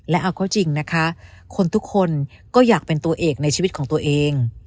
และเอาก็จริงนะคะคนทุกคนก็อยากเป็นตัวเอกในชีวิตของตัวเอง